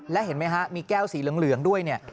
และเห็นไหมฮะมีแก้วสีเหลืองด้วยเนี่ย